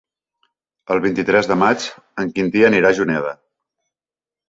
El vint-i-tres de maig en Quintí anirà a Juneda.